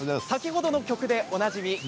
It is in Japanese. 先ほどの曲でおなじみ